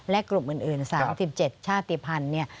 และกลุ่มอื่นสหรัฐที่๑๗ชาติพันธุ์